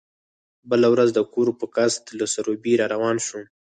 بله ورځ د کور په قصد له سروبي را روان شوم.